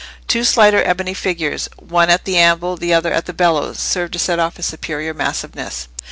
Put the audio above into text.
Two slighter ebony figures, one at the anvil, the other at the bellows, served to set off his superior massiveness.